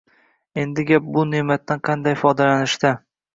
Endi gap bu ne’matdan qanday foydalanishda.